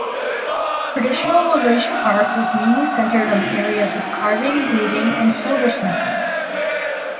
Traditional Malaysian art was mainly centred on the areas of carving, weaving, and silversmithing.